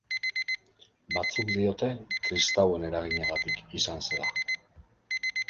Batzuk diote kristauen eraginagatik izan zela.